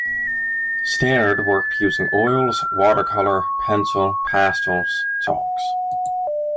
Stannard worked using oils, watercolour, pencil, pastels, chalks.